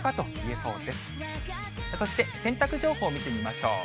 そして洗濯情報、見てみましょう。